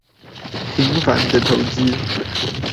平凡的投資